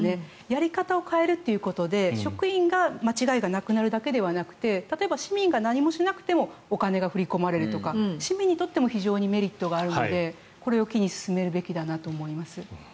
やり方を変えるということで職員が間違いがなくなるわけではなくて例えば、市民が何もしなくてもお金が振り込まれるとか市民にとっても非常にメリットがあるのでこれを機に進めるべきだなと思います。